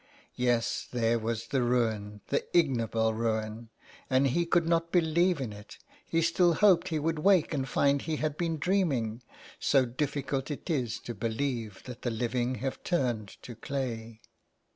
Yes, there was the ruin, the ignoble ruin, and he could not believe in it ; he still hoped he would wake and find he had been dreaming, so difficult is it to believe that the living have turned to clay.